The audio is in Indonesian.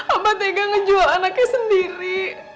apa tega ngejual anaknya sendiri